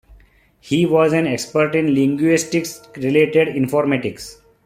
He was an expert in linguistics-related informatics.